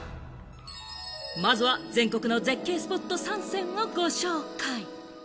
まずは全国の絶景スポット３選をご紹介。